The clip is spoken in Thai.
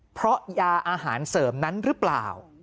เพราะยาอาหารเสริมนั้นหรือเปล่า